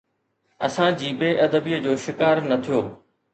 اسان جي بي ادبيءَ جو شڪار نه ٿيو.